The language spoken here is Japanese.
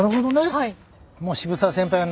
はい。